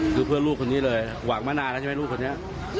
คือเพื่อนลูกคนนี้เลยหวังมานานแล้วใช่ไหมลูกคนนี้